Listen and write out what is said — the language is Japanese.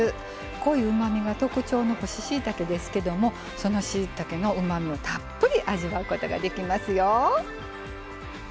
濃いうまみが特徴の干ししいたけですけどもそのしいたけのうまみもたっぷり味わうことができますよ。